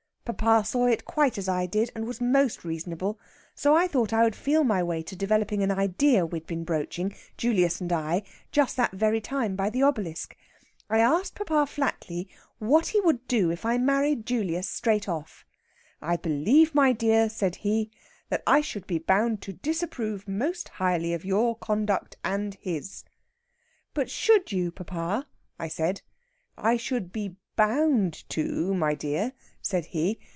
Papa saw it quite as I did, and was most reasonable. So I thought I would feel my way to developing an idea we had been broaching, Julius and I, just that very time by the obelisk. I asked papa flatly what he would do if I married Julius straight off. 'I believe, my dear,' said he, 'that I should be bound to disapprove most highly of your conduct and his.' 'But should you, papa?' I said. 'I should be bound to, my dear,' said he.